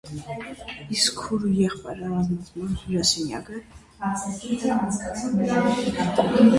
Իսկ քույր ու եղբայր առանձնացան հյուրասենյակը: